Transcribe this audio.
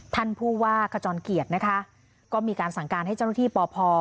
ท่านผู้ว่าขจรเกียรตินะคะก็มีการสั่งการให้เจ้าหน้าที่ปพ